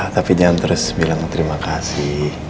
tapi jangan terus bilang terima kasih